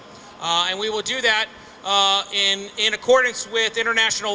dan kita akan melakukan itu dengan menurut peraturan internasional